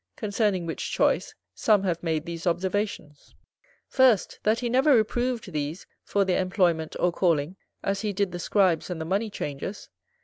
Concerning which choice, some have made these observations: First, that he never reproved these, for their employment or calling, as he did the Scribes and the Money changers.